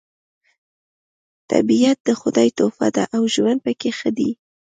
طبیعت د خدای تحفه ده او ژوند پکې ښه دی